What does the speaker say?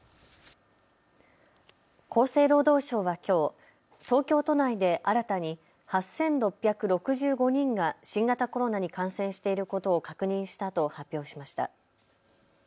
厚生労働省はきょう東京都内で新たに８６６５人が新型コロナに感染していることを確認したと発表しました。